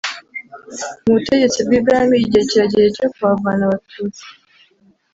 Mu butegetsi bw’ibwami igihe kirageze cyo kuhavana abatutsi